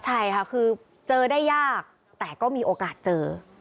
ใช่ค่ะคือเจอได้ยากแต่ก็มีโอกาสเจอ